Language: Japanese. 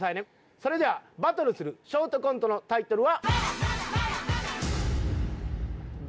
それではバトルするショートコントのタイトルは。